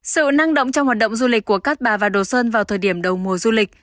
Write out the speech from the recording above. sự năng động trong hoạt động du lịch của các bà và đồ sơn vào thời điểm đầu mùa du lịch